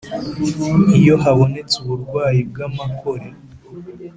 Iyo habonetse uburwayi bw amakore